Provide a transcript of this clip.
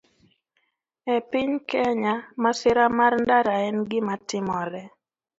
E piny Kenya, masira mar ndara en gima timore